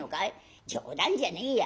「冗談じゃねえや。